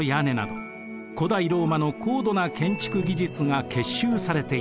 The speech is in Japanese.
古代ローマの高度な建築技術が結集されています。